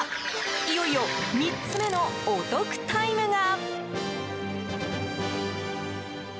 いよいよ３つ目のお得タイムが。